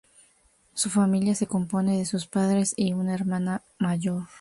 Su familia se compone de sus padres y una hermana mayor.